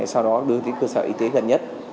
sau đó đưa tới cơ sở y tế gần nhất